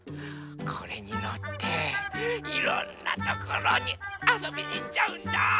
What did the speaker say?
これにのっていろんなところにあそびにいっちゃうんだ。